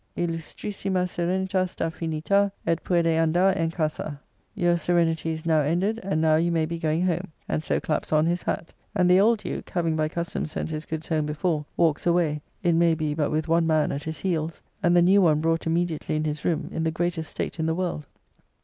Illustrissima Serenita sta finita, et puede andar en casa." "Your serenity is now ended; and now you may be going home," and so claps on his hat. And the old Duke (having by custom sent his goods home before), walks away, it may be but with one man at his heels; and the new one brought immediately in his room, in the greatest state in the world.